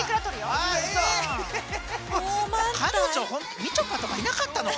みちょぱとかいなかったのか？